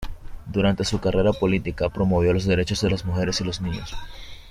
Durante su carrera política promovió los derechos de las mujeres y los niños.